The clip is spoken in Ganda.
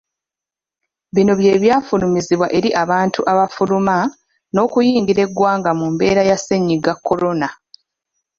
Bino bye byafulumizibwa eri abantu abafuluma n'okuyingira eggwanga mu mbeera ya ssennyiga korona.